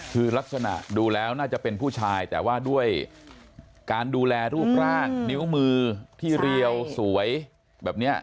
คือลักษณะดูแล้วน่าจะเป็นผู้ชายแต่ว่าด้วยการดูแลรูปร่างนิ้วมือที่เรียวสวยแบบนี้